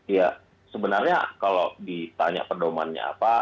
iya sebenarnya kalau ditanya perdomannya apa